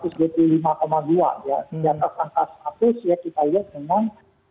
sehingga merangkak status ya kita lihat memang